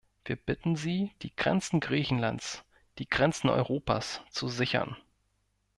Wir bitten Sie, die Grenzen Griechenlands, die Grenzen Europas zu sichern.